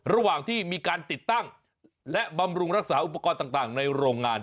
ระหว่างที่มีการติดตั้งและบำรุงรักษาอุปกรณ์ต่างในโรงงาน